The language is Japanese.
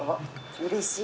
うれしい。